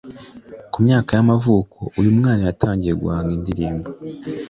Ku myaka y’amavuko uyu mwana yatangiye guhanga indirimbo